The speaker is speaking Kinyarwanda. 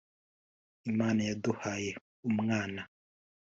Imana yaduhaye umwana